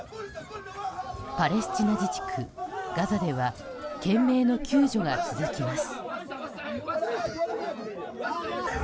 パレスチナ自治区ガザでは懸命の救助が続きます。